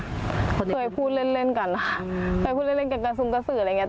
เคยพูดเล่นกันกับกระสุนกระสืออะไรอย่างนี้